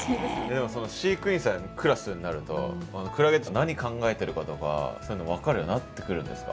でもその飼育員さんクラスになるとクラゲって何考えてるかとかそういうの分かるようになってくるんですか？